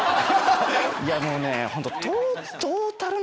いやもうねホント。